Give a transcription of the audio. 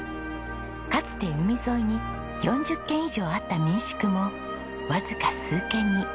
かつて海沿いに４０軒以上あった民宿もわずか数軒に。